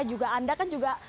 juga anda kan juga